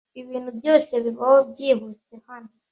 Ibintu byose bibaho byihuse hano.